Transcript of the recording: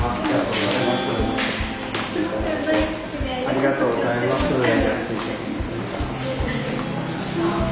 ありがとうございます。